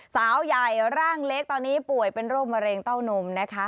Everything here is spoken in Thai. สาวใหญ่ร่างเล็กตอนนี้ป่วยเป็นโรคมะเร็งเต้านมนะคะ